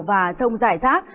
và sông rải rác